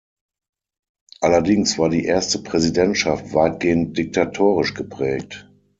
Allerdings war die erste Präsidentschaft weitgehend diktatorisch geprägt.